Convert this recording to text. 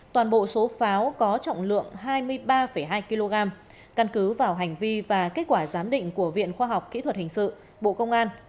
toàn bộ số pháo có trọng lượng hai mươi ba hai kg căn cứ vào hành vi và kết quả giám định của viện khoa học kỹ thuật hình sự bộ công an